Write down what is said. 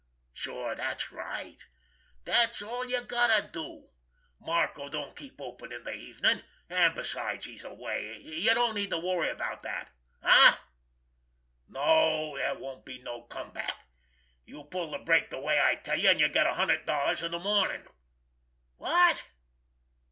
Sure, that's right—that's all you got to do. Marco don't keep open in the evening and besides he's away, you don't need to worry about that.... Eh?... No, there won't be no come back.... You pull the break the way I tell you, and you get a hundred dollars in the morning.... What?...